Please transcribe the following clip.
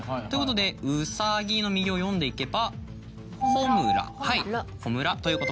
ということで「うさぎ」の右を読んでいけば「ほむら」はい。